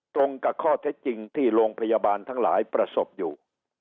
ตรงกับข้อเท็จจริงที่โรงพยาบาลทั้งหลายประสบอยู่